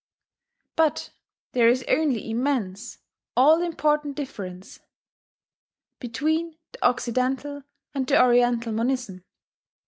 But there is only immense, all important difference, between the Occidental and the Oriental monism.